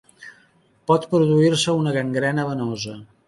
Pot produir-se una gangrena venosa.